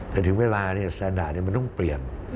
แต่ถึงเวลาสแตนดาร์ดมันต้องเปลี่ยน